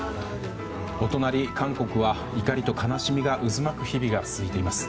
お隣の、韓国は怒りと悲しみが渦巻く日々が続いています。